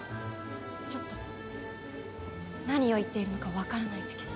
ちょっと何を言っているのかわからないんだけど。